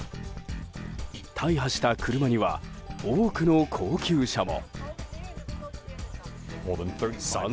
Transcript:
大破した車には多くの高級車も。